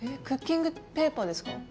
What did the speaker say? クッキングペーパーですか？